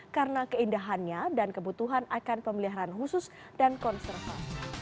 karena keindahannya dan kebutuhan akan pemeliharaan khusus dan konservasi